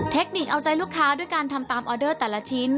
เทคนิคเอาใจลูกค้าด้วยการทำตามออเดอร์แต่ละชิ้น